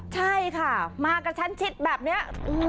ใช่ค่ะมากระชั้นชิดแบบนี้